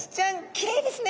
きれいですね。